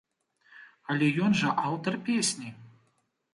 Але ён жа аўтар песні?